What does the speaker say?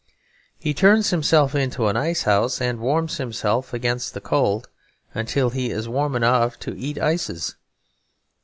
He turns himself into an icehouse and warms himself against the cold until he is warm enough to eat ices.